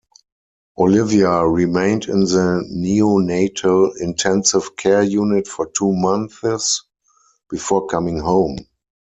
Olivia remained in the neonatal intensive care unit for two months, before coming home.